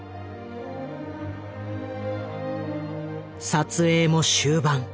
撮影も終盤。